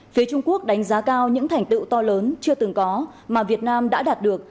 phía trung quốc đánh giá cao những thành tựu to lớn chưa từng có mà việt nam đã đạt được